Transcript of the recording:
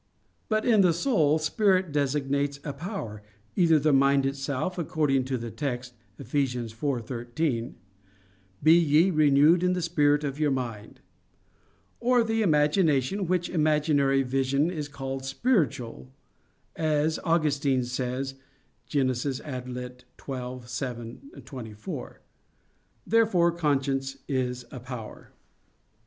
But in the soul, spirit designates a power either the mind itself, according to the text (Eph. 4:13), "Be ye renewed in the spirit of your mind" or the imagination, whence imaginary vision is called spiritual, as Augustine says (Gen. ad lit. xii, 7,24). Therefore conscience is a power.